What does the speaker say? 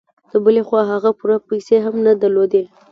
له بلې خوا هغه پوره پيسې هم نه درلودې.